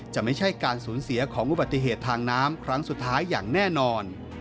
จะไม่ใช่การสูญเสียของอุบัติเหตุทางน้ำครั้งสุดท้ายอย่างแน่นอน